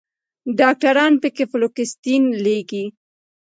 ډاکټران پکښې فلوکسیټين لیکي